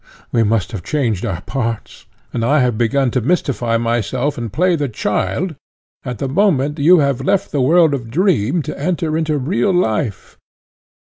We must have changed our parts; and I have begun to mystify myself and play the child at the moment you have left the world of dream to enter into real life.